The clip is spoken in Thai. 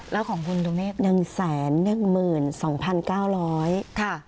แล้วของคุณดูนี่๑๑๒๙๐๐